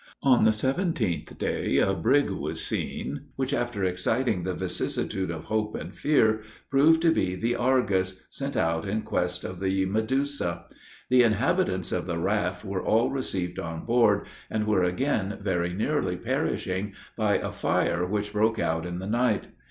On the seventeenth day, a brig was seen; which, after exciting the vicissitude of hope and fear, proved to be the Argus, sent out in quest of the Medusa. The inhabitants of the raft were all received on board, and were again very nearly perishing, by a fire which broke out in the night.